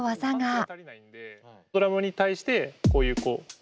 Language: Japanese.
ドラムに対してこういうこう。